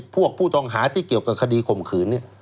ผู้ต้องหาที่เกี่ยวกับคดีข่มขืน